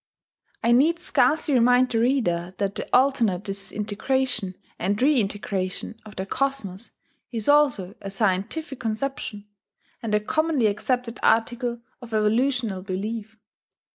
I need scarcely remind the reader that the alternate disintegration and reintegration of the cosmos is also a scientific conception, and a commonly accepted article of evolutional belief.